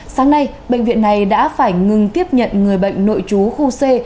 sáng nay bệnh viện này đã phải ngừng tiếp nhận người bệnh nội trú khu c